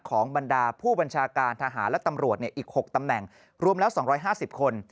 บรรดาผู้บัญชาการทหารและตำรวจอีก๖ตำแหน่งรวมแล้ว๒๕๐คน